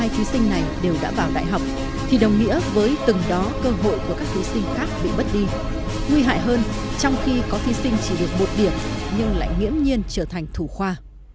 hai mươi thí sinh này đều đã vào đại học thì đồng nghĩa với từng đó cơ hội của các thí sinh khác bị mất đi nguy hại hơn trong khi có thí sinh chỉ được một điểm nhưng lại nghiễm nhiên trở thành thủ khoa